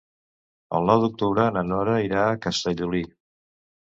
El nou d'octubre na Nora irà a Castellolí.